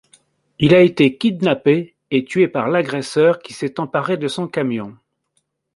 Il a été kidnappé et tué par l'agresseur qui s'est emparé de son camion.